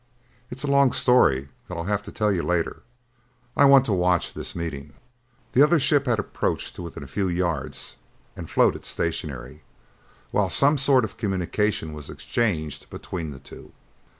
"It's a long story that I'll have to tell you later. I want to watch this meeting." The other ship had approached to within a few yards and floated stationary, while some sort of communication was exchanged between the two.